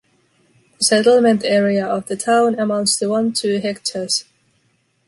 The settlement area of the town amounts to one-two hectares.